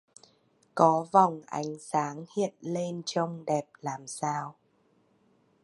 Có vòng ánh sáng hiện lên trông đẹp làm sao